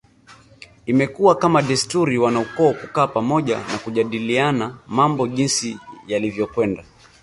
Imekuwa kama desturi wanaukoo kukaa pamoja na kujadiliana mambo jinsi yalivyokwenda